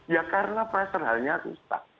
ya karena pressure hull nya rusak